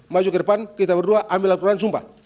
maju ke depan kita berdua ambil al quran sumpah